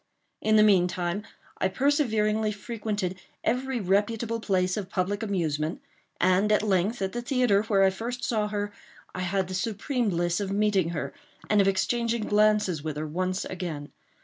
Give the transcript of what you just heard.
In the meantime I perseveringly frequented every reputable place of public amusement; and, at length, at the theatre, where I first saw her, I had the supreme bliss of meeting her, and of exchanging glances with her once again.